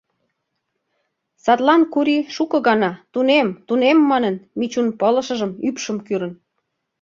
Садлан Курий шуко гана, «тунем! тунем!» манын, Мичун пылышыжым, ӱпшым кӱрын.